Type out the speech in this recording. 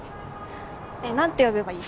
ねえなんて呼べばいい？